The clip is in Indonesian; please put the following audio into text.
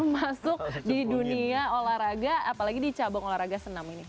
masuk di dunia olahraga apalagi di cabang olahraga senam ini